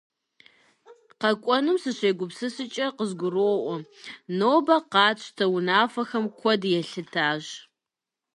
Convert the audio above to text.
КъэкӀуэнум сыщегупсыскӀэ къызгуроӀуэ: нобэ къатщтэ унафэхэм куэд елъытащ.